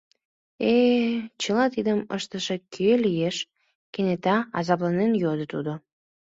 Э-э, чыла тидым ыштышыже кӧ лиеш? — кенета азапланен йодо тудо.